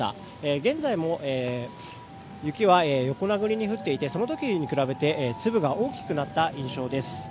現在も雪は横殴りに降っていてその時に比べて粒が大きくなった印象です。